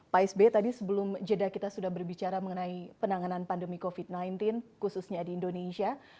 pak sby tadi sebelum jeda kita sudah berbicara mengenai penanganan pandemi covid sembilan belas khususnya di indonesia